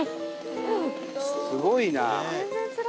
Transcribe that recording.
すごいな！